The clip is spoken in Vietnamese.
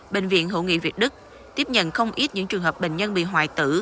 bệnh viện hữu nghị việt đức tiếp nhận không ít những trường hợp bệnh nhân bị hoại tử